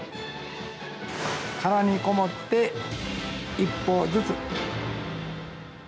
殻にこもって一歩ずつ。